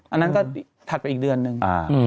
อันนั้นก็ถัดไปอีกเดือนนึง